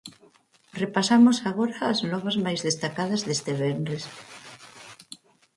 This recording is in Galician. Repasamos agora as novas máis destacadas deste venres.